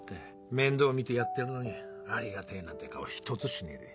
面倒見てやってるのにありがてぇなんて顔ひとつしねえで。